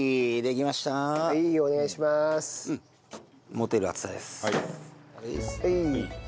持てる熱さです。